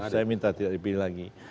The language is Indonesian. saya minta tidak dipilih lagi